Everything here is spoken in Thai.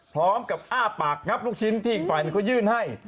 พร้อมกับอ้าปากงับลูกชิ้นที่อีกฝ่ายหนึ่งเขายื่นให้